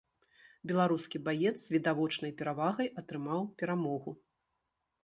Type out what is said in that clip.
Беларускі баец з відавочнай перавагай атрымаў перамогу.